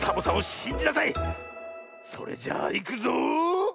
それじゃあいくぞ。